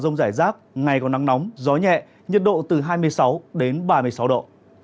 nhật độ từ hai mươi sáu đến ba mươi sáu độ